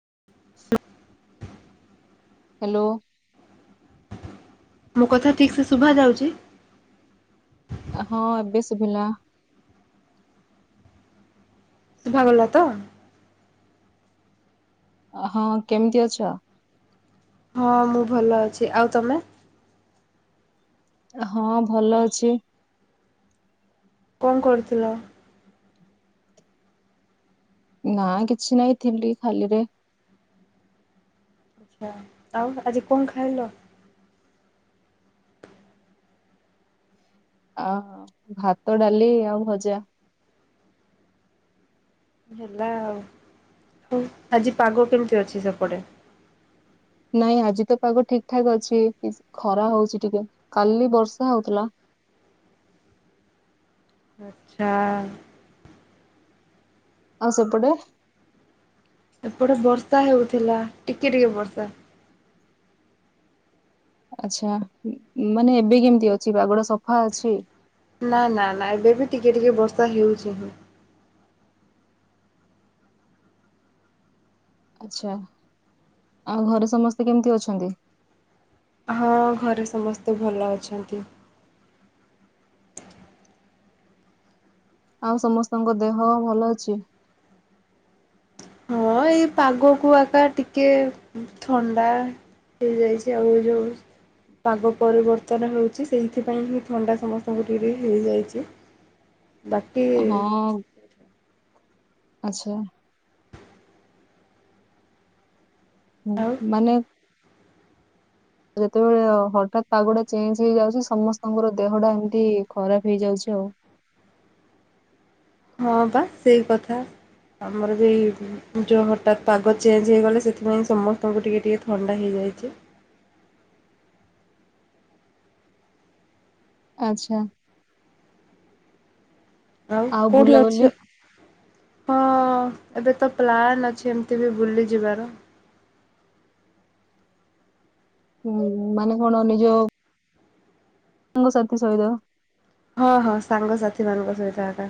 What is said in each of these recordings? [inaudible] Hello. ମୋ କଥା ଠିକ୍ ସେ ଶୁଭା ଯାଉଛି? ହଁ ଏବେ ଶୁଭିଲା। ଶୁଭାଗଲା ତ? ହଁ କେମିତି ଅଛ? ହଁ ମୁଁ ଭଲ ଅଛି ଆଉ ତମେ? ହଁ ଭଲ ଅଛି। କଣ କରୁଥିଲ? ନା କିଛି ନାଇଁ ଥିଲି ଖାଲିରେ। ଆଛା ଆଉ ଆଜି କଣ ଖାଇଲ? ଅ ଭାତ ଡାଲି ଆଉ ଭଜା। ହେଲା ଆଉ ହଉ ଆଜି ପାଗ କେମିତି ଅଛି ସେପଟେ? ନାଇଁ ଆଜି ତ ପାଗ ଠିକ ଠାକ ଅଛି ଖରା ହଉଛି ଟିକେ କାଲି ବର୍ଷା ହଉଥିଲା। ଆଚ୍ଛା। ଆଉ ସେପଟେ? ଏପଟେ ବର୍ଷା ହେଉଥିଲା ଟିକେ ଟିକେ ବର୍ଷା। ଆଛା ମ୍-ମାନେ ଏବେ କେମିତି ଅଛି ପାଗଡା ସଫା ଅଛି? ନା ନା ନା ଏବେ ବି ଟିକେ ଟିକେ ବର୍ଷା ହେଉଛି ହଁ। ଆଛା, ଆଉ ଘରେ ସମସ୍ତେ କେମିତି ଅଛନ୍ତି? ହଁ ଘରେ ସମସ୍ତେ ଭଲ ଅଛନ୍ତି। ଆଉ ସମସ୍ତଙ୍କ ଦେହ ଭଲ ଅଛି? ହଁ ଏଇ ପାଗକୁ ଆକା ଟିକେ ଥଣ୍ଡା ହେଇଯାଇଛି ଆଉ ଯୋଉ ପାଗ ପରିବର୍ତ୍ତନ ହଉଛି ସେଇଥିପାଇଁ ହିଁ ଥଣ୍ଡା ସମସ୍ତଙ୍କୁ ଟିକେ ହେଇଯାଇଛି। ବାକି-ଇ। ହଁ ଆଚ୍ଛା। ହୁଁ ଆଉ ମାନେ। ଯେତେବେଳେ ଅ-ହଠାତ୍ ପାଗଟା ଚେଞ୍ଜ ହେଇଯାଉଛି ସମସ୍ତଙ୍କର ଦେହଟା ଏମିତି ଖରାପ ହେଇଯାଉଛି ଆଉ। ହଁ ବା ସେଇ କଥା ଆମର ଯେ ଯଉ ହଠାତ୍ ପାଗ ଚେଞ୍ଜ ହେଇଗଲେ ସେଥିପାଇଁ ସମସ୍ତଙ୍କୁ ଟିକେ ଟିକେ ଥଣ୍ଡା ହେଇଯାଇଛି। ଆଚ୍ଛା। ଆଉ କୋଉଠି ଅଛ? ହଁ। ଏବେ ତ ପ୍ଲାନ୍ ଅଛି ଏମିତି ବି ବୁଲି ଯିବାର। ହୁଁ ମାନେ କଣ ନିଜ ସାଙ୍ଗସାଥି ସହିତ। ହଁ ହଁ ସାଙ୍ଗସାଥିମାନଙ୍କ ସହିତ ଏକା।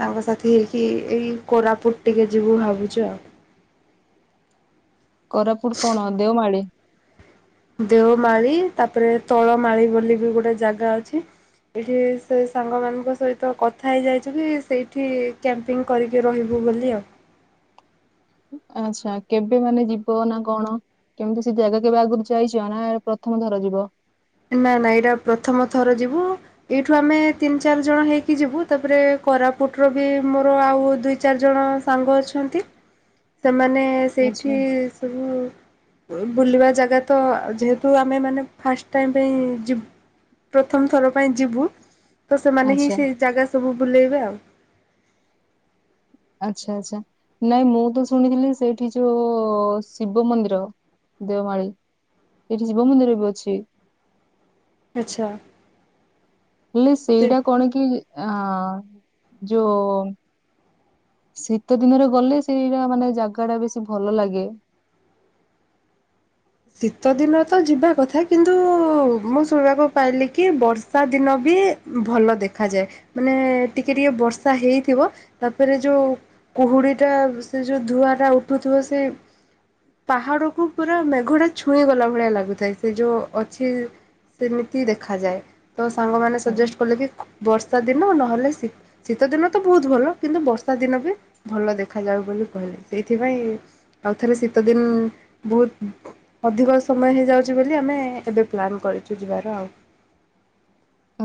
ସାଙ୍ଗସାଥି ହେଇକି ଏଇ କୋରାପୁଟ ଟିକେ ଯିବୁ ଭାବୁଛୁ ଆଉ। କୋରାପୁଟ କଣ ଦେଓମାଳି? ଦେଓମାଳି ତାପରେ ତଳମାଳି ବୋଲି ବି ଗୋଟେ ଜାଗା ଅଛି ଏଇଠି ସେ ସାଙ୍ଗମାନଙ୍କ ସହିତ କଥା ହେଇଯାଇଛୁ କି ସେଇଠି କ୍ୟାମ୍ପିଙ୍ଗ କରିକି ରହିବୁ ବୋଲି ଆଉ। ଆଛା କେବେ ମାନେ ଯିବ ନା କଣ କେମିତି ସେ ଜାଗା କେବେ ଆଗରୁ ଯାଇଛ ନା ପ୍ରଥମ ଥର ଯିବ? ନା ନା ଏଇଟା ପ୍ରଥମ ଥର ଯିବୁ। ଏଇଠୁ ଆମେ ତିନି ଚାରି ଜଣ ହେଇକି ଯିବୁ ତାପରେ କୋରାପୁଟର ବି ମୋର ଆଉ ଦୁଇ ଚାରି ଜଣ ସାଙ୍ଗ ଅଛନ୍ତି ସେମାନେ ଏଁ-ସେଇଠି ଆଚ୍ଛା ସବୁ। ବୁଲିବା ଜାଗା ତ ଯେହେତୁ ଆମେ ମାନେ ଫାଷ୍ଟ ଟାଇମ ପାଇଁ ଯିବ୍ ପ୍ରଥମଥର ପାଇଁ ଯିବୁ। ତ ସେମାନେ ହିଁ ଆଚ୍ଛା ସେଇ ଜାଗା ସବୁ ବୁଲେଇବେ ଆଉ। ଆଚ୍ଛା ଆଚ୍ଛା, ନାଇଁ ମୁଁ ତ ଶୁଣିଥିଲି ସେଇଠି ଯୋଉ-ଉ ଶିବ ମନ୍ଦିର ଦେଓମାଳିୀ ସେଇଠି ଶିବ ମନ୍ଦିର ବି ଅଛି। ଆଚ୍ଛା। ହେଲେ ସେ ସେଇଟା କଣ କି ଆଁ ଯୋଉ ଶୀତ ଦିନରେ ଗଲେ ସେଇଟା ମାନେ ଜାଗାଟା ବେଶୀ ଭଲ ଲାଗେ। ଶୀତଦିନରେ ତ ଯିବା କଥା, କିନ୍ତୁ-ଉ ମୁଁ ଶୁଣିବାକୁ ପାଇଲି କି ବର୍ଷାଦିନ ବି ଭଲ ଦେଖାଯାଏ ମାନେ ଟିକେ ଟିକେ ବର୍ଷା ହେଇଥିବ ତାପରେ ଯୋଉ କୁହୁଡି ଟା ସେ ଯୋଉ ଧୂଆଁଟା ଉଠୁଥିବ ସେ ପାହାଡକୁ ପୁରା ଘୁଟା ଛୁଇଁ ଗଲା ଭଳିଆ ଲାଗୁଥାଏ ସେ ଯଉ ଅଛି ସେମିତି ଦେଖାଯାଏ। ତ ସାଙ୍ଗମାନେ ସଜେଷ୍ଟ କଲେ କି ବର୍ଷାଦିନ ନହେଲେ ଶୀ-ଶୀତଦିନ ତ ବହୁତ୍ ଭଲ, କିନ୍ତୁ ବର୍ଷାଦିନ ବି ଭଲ ଦେଖାଯାଉ ବୋଲି କହିଲେ, ସେଇଥିପାଇଁ ଆଉ ଥରେ ଶୀତଦିନ୍ ବୋହୁତ୍ ଅଧିକ ସମୟ ହେଇଯାଉଛି ବୋଲି ଆମେ-ଏ ଏବେ ପ୍ଲାନ୍ କରିଛୁ ଯିବାର ଆଉ।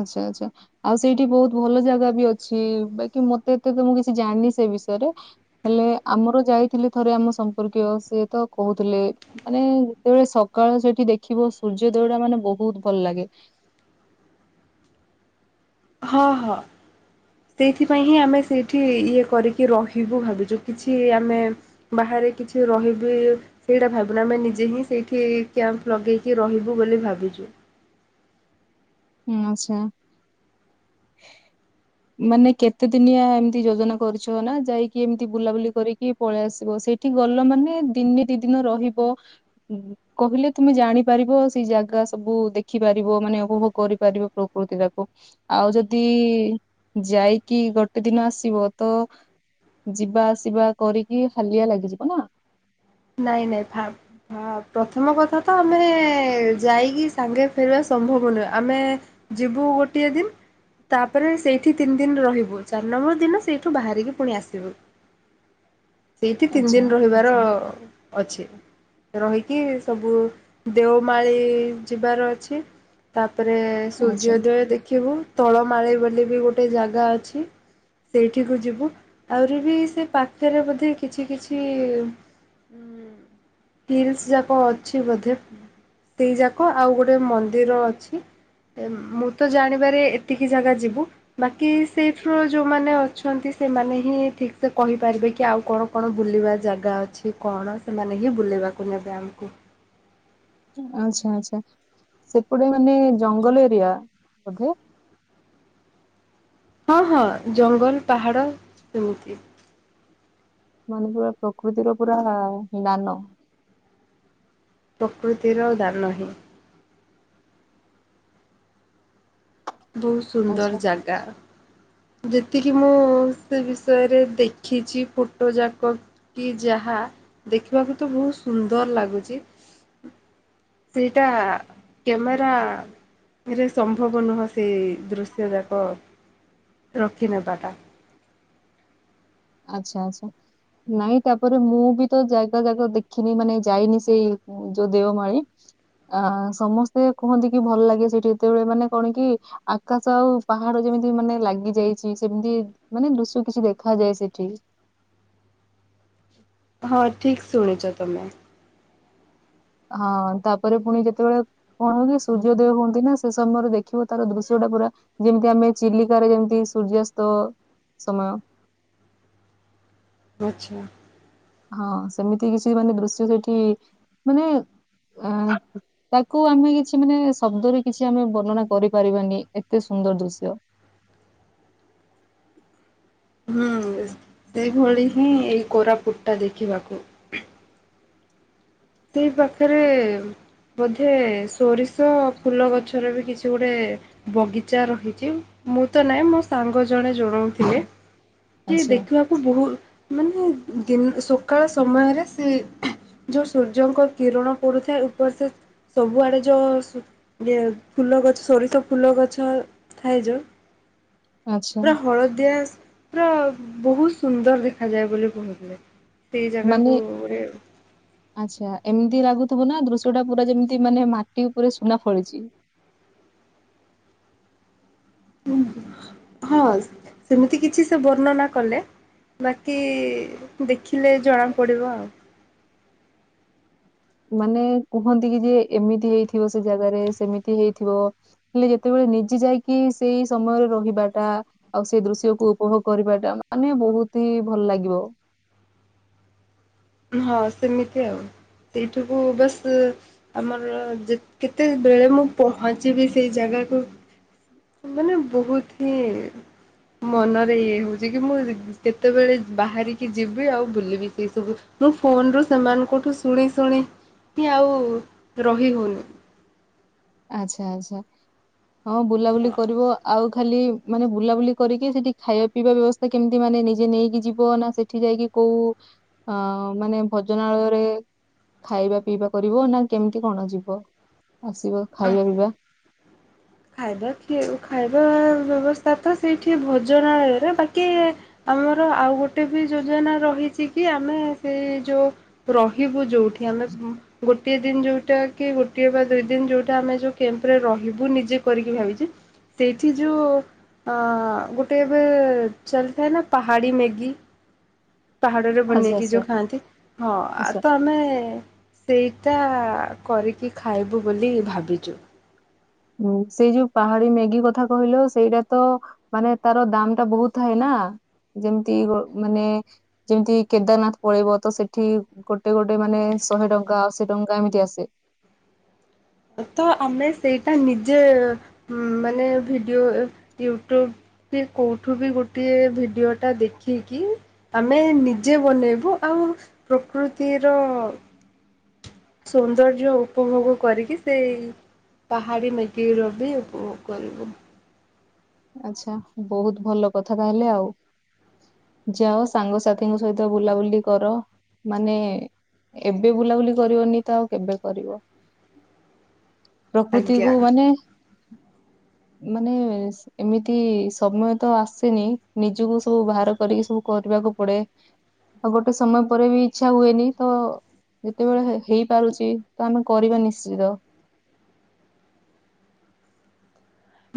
ଆଚ୍ଛା ଆଚ୍ଛା, ଆଉ ସେଇଠି ବହୁତ ଭଲ ଜାଗା ବି ଅଛି ବାକି ମତେ ଏତେତ ମୁଁ କିଛି ଜାଣିନି ସେ ବିଷୟରେ, ହେଲେ ଆମର ଯାଇଥିଲେ ଥରେ ଆମ ସମ୍ପର୍କୀୟ ସେ ତ କହୁଥିଲେ ମାନେ ଯେତେବେଳେ ସକାଳ ସେଇଠି ଦେଖିବ ସୂର୍ଯ୍ୟୋଦୟଟା ମାନେ ବହୁତ ଭଲ ଲାଗେ। ହଁ ହଁ, ସେଇଥିପାଇଁ ହିଁ ଆମେ ସେଇଠି ଇଏ କରିକି ରହିବୁ ଭାବିଛୁ। କିଛି ଆମେ ବାହାରେ କିଛି ରହିବୁ ସେଇଟା ଭାବିନୁ, ଆମେ ନିଜେ ହିଁ ସେଇଠି କ୍ୟାମ୍ପ ଲଗେଇକି ରହିବୁ ବୋଲି ଭାବିଛୁ। ହୁଁ-ଆଛା। ମାନେ କେତେ ଦିନିଆ ଏମତି ଯୋଜନା କରିଛ ନା ଯାଇକି ଏମିତି ବୁଲାବୁଲି କରିକି ପଳେଇ ଆସିବ, ସେଇଠି ଗଲ ମାନେ ଦିନେ ଦି ଦିନ ରହିବ କହିଲେ ତୁମେ ଜାଣିପାରିବ ସେଇ ଜାଗା ସବୁ ଦେଖିପାରିବ ମାନେ ଉପଭୋଗ କରି କରିବ ପ୍ରକୃତିଟାକୁ, ଆଉ ଯଦି ଯାଇକି ଗୋଟେ ଦିନ ଆସିବ ତ ଯିବା ଆସିବା କରିକି ହାଲିଆ ଲାଗିଯିବ ନା। ନାଇଁ ନାଇଁ, ଫା-ଫ୍-ପ୍ରଥମ କଥା ତ ଆମେ ଯାଇକି ସାଙ୍ଗେ ଫେରିବା ସମ୍ଭବ ନୁହେଁ, ଆମେ ଯିବୁ ଗୋଟିଏ ଦିନ୍ ତାପରେ ସେଇଠି ତିନି ଦିନ ରହିବୁ, ଚାରି ନମ୍ବର ଦିନ ସେଇଠୁ ବାହାରିକି ପୁଣି ଆସିବୁ। ସେଇଠି ତିନି ଆଚ୍ଛା ଦିନ୍ ରହିବାର ଅଛି, ରହିକି ସବୁ ଦେଓମାଳି ଯିବାର ଅଛି ତା ତାପରେ ଆଚ୍ଛା ସୂର୍ଯ୍ୟୋଦୟ ଦେଖିବୁ ତଳ ମାଳି ବୋଲି ବି ଗୋଟେ ଜାଗା ଅଛି ସେଇଠିକୁ ଯିବୁ ଆହୁରି ବି ସେ ପାଖରେ ବୋଧେ କିଛି କିଛି ଉ ହିଲ୍ସ ଯାକ ଅଛି ବୋଧେ ସେଇ ଯାକ ଆଉ ଗୋଟେ ମନ୍ଦିର ଅଛି ମୁଁ ତ ଜାଣିବାରେ ଏତିକି ଜାଗା ଯିବୁ ବାକି କି ସେଇଥିରୁ ଯେଉଁମାନେ ଅ ଅଛନ୍ତି ସେମାନେ ହିଁ ଠିକ୍ ସେେ କହିପାରିବେ କି ଆଉ କଣ କଣ ବୁଲିବା ଜାଗା ଅଛି କଣ ସେମାନେ ହିଁ ବୁଲିବାକୁ ନେବେ ଆମକୁ ଆଛା ଆଛା ସେପଟେ ମାନେ ଜଙ୍ଗଲ ଏରିଆ ବଧେ ହଁ ହଁ ଜଙ୍ଗଲ ପାହାଡ ସେମିତି। ମାନେ ପୁରା ପ୍ରକୃତିର ପୁରା ନାନ। ପ୍ରକୃତିର ଦାନ ହିଁ। ବହୁତ ସୁନ୍ଦର ଆଚ୍ଛା ଜାଗା। [inaudible] ଯେତିକି ମୁଁ ସେ ବିଷୟରେ ଦେଖିଛି ଫଟୋ ଯାକ କି ଯାହା ଦେଖିବାକୁ ତ ବହୁତ ସୁନ୍ଦର ଲାଗୁଛି। ସେଇଟା କ୍ୟାମେରାରେ ସମ୍ଭବ ନୁହଁ ସେଇ ଦୃଶ୍ୟ ଯାକ ରଖି ନେବାଟା। ଆଚ୍ଛା ଆଚଛା ନାଇଁ ତାପରେ ମୁଁ ବି ତ ଜାଗା ଜାଗା ଦେଖିନି। ମାନେ ଯାଇନି ସେଇ ଯୋଉ ଦେଓମାଳିୀ ଆ ସମସ୍ତେ କୁହନ୍ତି କି ଭଲ ଲାଗେ ସେଇଠି ଏତେବେଳେ ମାନେ କଣ କି ଆକାଶ ଆଉ ପାହାଡ ଯେମିତି ମାନେ ଲାଗି ଯାଇଛି। ସେମିତି ମାନେ ଲୁସୁ କିଛି ଦେଖାଯାଏ ସେଠି ସେଠି [inaudible] ହଁ ଠିକ ଶୁଣିଛ ତମେ? ହଁ ତାପରେ ପୁଣି ଯେତେବେଳେ କଣ ହ କି ସୂର୍ଯ୍ୟଦୟ ହୁଅନ୍ତି। ନା ସେ ସମୟରେ ଦେଖିବ ତାର ଦୃଶ୍ୟ ଟା ପୁରା ଯେମିତି ଆମେ ଚିଲିକାରେ ଯେମିତି ସୂର୍ଯ୍ୟସ୍ତ ସମୟ। ଆଚ୍ଛା। ହଁ ସେମିତି କିଛି ମାନେ ଦୃଶ୍ୟ ସେଠି ମାନେ ଅ ତାକୁ ଆମେ କିଛି ମାନେ ଶବ୍ଦରେ କିଛି ଆମେ ବର୍ଣ୍ଣନା କରିପାରିବାନି। ଏତେ ସୁନ୍ଦର ଦୃଶ୍ୟ। ହୁଁ। ସେଇଭଳି ହିଁ ଏଇ କୋରାପୁଟ। ଟା ଦେଖିବାକୁ ସେଇ ପାଖରେ ବୋଧେ ସୋରିଷ ଫୁଲ ଗଛର ବି କିଛି ଗୋଟେ ବଗିଚା ରହିଛି। ମୁଁ ତ ନହିଁ ମୋ ସାଙ୍ଗ ଜଣେ ଜଣାଉଥିଲେ କି ଆଚ୍ଛା ଦେଖିବାକୁ ବହୁତ ମାନେ ଦିନ ସକାଳ ସମୟରେ ସେ ଯୋଉ ସୂର୍ଯ୍ୟଙ୍କ କିରଣ ପୁଥାଏ ଉପର ସେ ସବୁଆଡେ ଯୋଉ ଫୁଲ ଗଛ ସୋରିଷ ଫୁଲ ଗଛ ଥାଏ ଯୋଉ ଆଚ୍ଛା ପୁରା ହଳଦିଆ ପୁରା ବହୁତ ସୁନ୍ଦର ଦେଖାଯାଏ ବୋଲି କହୁଥିଲେ? ସେଇ ମାନେ ଜାଗାକୁ ଆଚ୍ଛା ଏମିତି ଲାଗୁଥିବ ନା ଦୃଶ୍ୟ ଟା ପୁରା ଯେମିତି ମାନେ ମାଟି ଉପରେ ସୁନା ଫଳିଛି। ହଁ ସେମିତି କିଛି ସେ ବର୍ଣ୍ଣନା କଲେ। ବାକି ଦେଖିଲେ ଜଣା ପଡିବ ଆଉ [inaudible] ମାନେ କୁହନ୍ତି କି ଯେ ଏମିତି ହେଇଥିବ ସେ ଜାଗାରେ ସେମିତି ହେଇଥିବ ହେଲେ ଯେତେବେଳେ ନିଜେ ଯାଇକି ସେଇ ସମୟରେ ରହିବାଟା ଆଉ ସେଇ ଦୃଶ୍ୟକୁ ଉପଭୋଗ କରିବାଟା ମାନେ ବହୁତ ହି ଭଲ ଲାଗିବ। ହଁ ସେମିତି ଆଉ ସେଇଠୁକୁ ବସ୍ ଆମର କେତେବେଳେ ମୁଁ ପହଞ୍ଚିବି ସେଇ ଜାଗାକୁ ମାନେ ବହୁତ ହିଁ ମନରେ ଇଏ ହଉଛି କି ମୁଁ କେତେବେଳେ ବାହାରିକି ଯିବି ଆଉ ବୁଲିବି ସେଇ ସବୁ ମୁଁ ଫୋନ ରୁ ସେମାନଙ୍କଠୁ ଶୁଣି ଶୁଣିି ଆଉ ରହି ହେଉନି। ଆଛା ଆଛା। ହଁ ବୁଲାବୁଲି କରିବ ଆଉ ଖାଲି ମାନେ ବୁଲାବୁଲି କରିକି ସେଠି ଖାଇବା ପିଇବା ବ୍ୟବସ୍ଥା କେମିତି ମାନେ ନିଜେ ନେଇକି ଯିବ ନା ସେଠି ଯାଇକି କୋଉ ଅ ମାନେ ଭଜନାଳୟରେ ଖାଇବା ପିଇବା କରିବ ନା କେମିତି କଣ ଯିବ ଆସିବ। ଖାଇବା ପିଇବା ଖାଇବା କି ଖାଇବା ବ୍ୟବସ୍ ତା ତ ସେଇଠି ଭଜନ ବାକି ଆମର ଆଉ ଗୋଟେ ବି ଯୋଜନା ରହିଛି କି ଆମେ ସେ ଯୋଉ ରହିବୁ ଯୋଉଠି ଆମେ ଗୋ ଗୋଟିଏ ଦିନ ଯଉଟା କି ଗୋଟିଏ ବା ଦୁଇ ଦିନ ଯଉଟା ଆମେ ଯଉ କ୍ୟାମ୍ପରେ ରହିବୁ ନିଜେ କରିକି ଭାବିଛି ସେଇଠି ଯୋଉ ଅ ଅ ଗୋଟେ ଏବେ ଚାଲିଥାଏ ନା ପାହାଡ଼ି ମେଗି। ପାହାଡରେ ଆଚ୍ଛା ବନେଇକି ଆଚ୍ଛା। ଯୋଉ ଖାଆନ୍ତି। ହଁ ଆ ଆଚ୍ଛା ତ ଆମେ ସେଇଟା କରିକି ଖାଇବୁ ବୋଲି ଭାବିଛୁ। ହଁ ସେଇ ଯୋଉ ପାହାଡି ମ୍ୟାଗି କଥା କହିଲ ସେଇଟା ତ ମାନେ ତାର ଦାମ ଟା ବହୁତ ଥାଏ ନ ଯେମିତି ମାନେ ଯେମିତି କେଦାରନାଥ ପଳେଇବ ତ ସେଠି ଗୋଟେ ଗୋଟେ ମାନେ ଶହେ ଟଙ୍କା ଅଶୀ ଟଙ୍କା ଏମିତି ଆସେ। ତ ଆମେ ସେଇଟା ନିଜେ ମାନେ ଭିଡିଓ, ୟୁଟ୍ୟୁବ କୋଉଠୁ ବି ଗୋଟେ ଭିଡିଓ ଟା ଦେଖିକି, ଆମେ ନିଜେ ବନେଇବୁ, ଆଉ ପ୍ରକୃତିର ସୌନ୍ଦର୍ଯ୍ୟ ଉପଭୋଗ କରିକି, ସେଇ ପାହାଡି ମେଗି ର ବି ଉପଭୋଗ କରିବୁ। ଆଚ୍ଛା ବହୁତ ଭଲ କଥା ତାହେଲେ, ଆଉ ଯାଅ ସାଙ୍ଗସାଥିଙ୍କ ସହିତ ବୁଲାବୁଲି କର, ମାନେ ଏବେ ବୁଲାବୁଲି କରିବନି ତ ଆଉ କେବେ କରିବ? ଆଜ୍ଞା ପ୍ରକୃତିକୁୁ ମାନେ ମାନେ ଏମିତି ସମୟ ତ ଆସେନି ନିଜକୁ ସବୁ ବାହାର କରିକି ସବୁ କରିବାକୁ ପଡେ, ଆଉ ଗୋଟେ ସମୟ ପରେ ବି ଇଚ୍ଛା ହୁଏନି ତ ଯେତେବେଳେ ହେଇପାରୁଛି ତ ଆମେ କରିବା ନିଶ୍ଚିତ।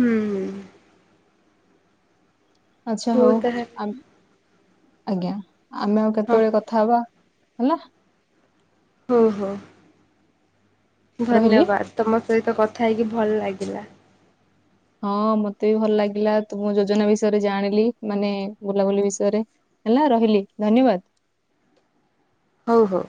ହୁଁ । ଆଚ୍ଛା ହଉ ତାହେଲେ ଆ [inaudible] ଆଜ୍ଞା। ଆମେ ଆଉ ହଁ କେତେବେଳେ କଥା ହବା? ହେଲା। ହଁ ହୋ, ରହିଲି। ଧନ୍ୟବାଦ ସହିତ କଥା ହେଇକି ଭଲ ଲାଗିଲା । ହଁ ମତେ ବି ଭଲ ଲାଗିଲା, ତ ମୁଁ ଯୋଜନା ବିଷୟରେ ଜାଣିଲି ମାନେ ବୁଲାବୁଲି ବିଷୟରେ ହେଲା ରହିଲି ଧନ୍ୟବାଦ। ହଉ ହଉ।